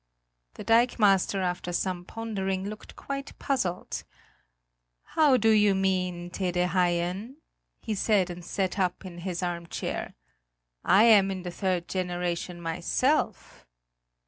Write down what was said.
The dikemaster, after some pondering, looked quite puzzled: "How do you mean, Tede Haien?" he said and sat up in his armchair; "I am in the third generation myself!"